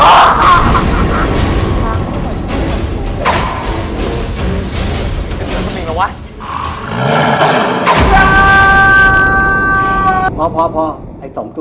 อันนี้เป็นอันใหม่เหรอะ